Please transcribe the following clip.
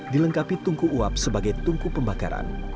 dilengkapi tungku uap sebagai tungku pembakaran